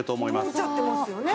通っちゃってますよね。